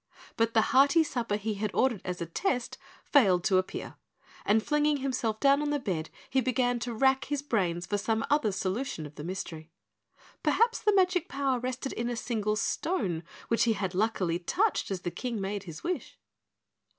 But the hearty supper he had ordered as a test failed to appear and flinging himself down on the bed he began to rack his brains for some other solution of the mystery. Perhaps the magic power rested in a single stone which he had luckily touched as the King made his wish.